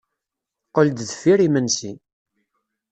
Qqel-d deffir yimensi.